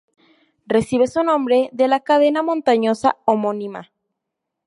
Recibe su nombre de la cadena montañosa homónima.